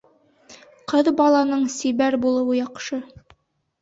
Ҡыҙ баланың сибәр булыуы яҡшы.